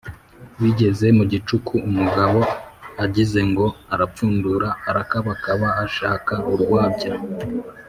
Bigeze mugicuku, umugabo agizengo arapfundura, arakabakaba ashaka urwabya